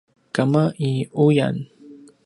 kama i uyan